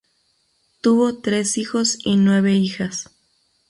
Tuvo tres hijos y nueve hijas.